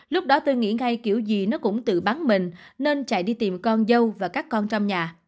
lúc đó tôi nghĩ ngay kiểu gì nó cũng tự bắn mình nên chạy đi tìm con dâu và các con trong nhà